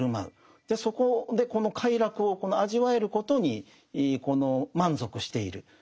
そこでこの快楽を味わえることに満足している。